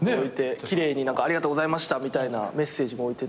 奇麗に「ありがとうございました」みたいなメッセージも置いて。